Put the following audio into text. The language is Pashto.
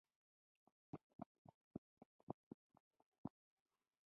یوولسم څپرکی د سپېڅلې کړۍ په اړه معلومات لري.